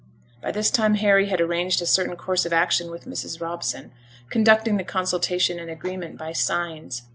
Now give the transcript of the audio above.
By this time Harry had arranged a certain course of action with Mrs Robson, conducting the consultation and agreement by signs.